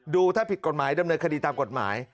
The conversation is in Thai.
ถ้าผิดกฎหมายดำเนินคดีตามกฎหมาย